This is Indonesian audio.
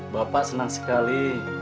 bapak senang sekali